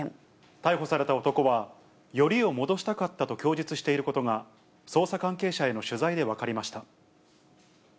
逮捕された男は、よりを戻したかったと供述していることが、捜査関係者への取材で分かりました。